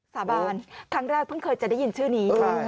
สาบานครั้งแรกเพิ่งเคยจะได้ยินชื่อนี้